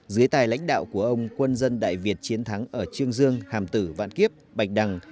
dưới tài lãnh đạo của ông quân dân đại việt chiến thắng ở trương dương hàm tử vạn kiếp bạch đằng